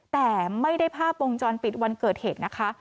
แต่ไม่ได้ภาพวงจรปิดวันเกิดเหตุนะคะ